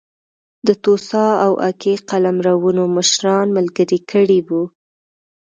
د توسا او اکي قلمرونو مشران ملګري کړي وو.